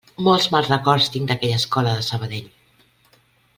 Molts mals records tinc d'aquella escola de Sabadell.